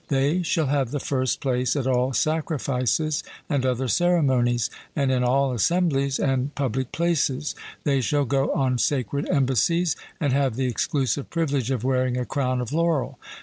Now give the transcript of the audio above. They shall have the first place at all sacrifices and other ceremonies, and in all assemblies and public places; they shall go on sacred embassies, and have the exclusive privilege of wearing a crown of laurel.